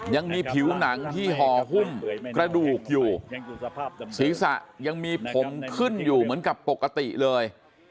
ยังมีผิวหนังที่ห่อหุ้มกระดูกอยู่ศีรษะยังมีผมขึ้นอยู่เหมือนกับปกติเลย